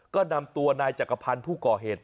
ก็นำตัวนายจักรพันธ์ผู้ก่อเหตุ